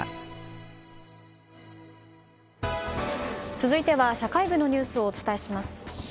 続いては社会部のニュースをお伝えします。